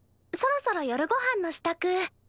そろそろ夜ごはんのしたく。